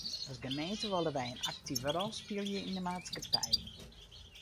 As gemeente wolle wy in aktive rol spylje yn de maatskippij.